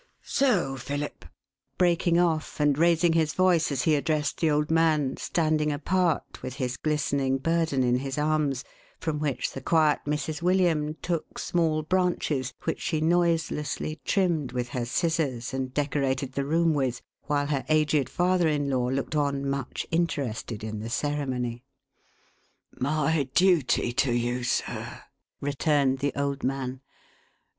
So, Philip !" breaking off, and raising his voice as he addressed the old man standing apart, with his glistening burden in his arms, from which the quiet Mrs. Wrilliam took small branches, which she noise lessly trimmed with her scissors, and decorated the room with, 428 THE HAUNTED MAN. while her aged father in law looked on much interested in the ceremony. " My duty to you, sir," returned the old man.